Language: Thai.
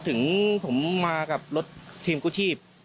ถึงผมมากับรถทีมกู้ชีพ